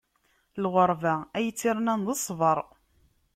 Lɣeṛba, ay tt-irnan d ṣṣbeṛ.